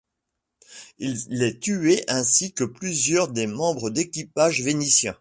Il est tué ainsi que plusieurs des membres d'équipage vénitiens.